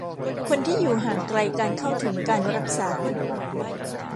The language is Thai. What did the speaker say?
คนที่อยู่ห่างไกลการเข้าถึงการรักษา